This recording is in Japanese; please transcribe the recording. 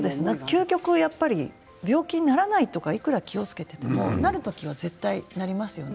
究極、病気にならないとか気をつけていてもなる時にはなりますよね。